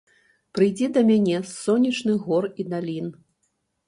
Прыйдзі да мяне з сонечных гор і далін.